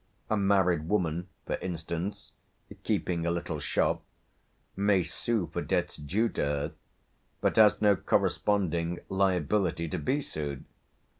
A married woman, for instance, keeping a little shop, may sue for debts due to her, but has no corresponding liability to be sued.